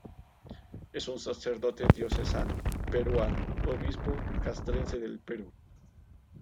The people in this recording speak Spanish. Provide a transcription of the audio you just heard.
Es un sacerdote diocesano peruano, obispo Castrense del Perú.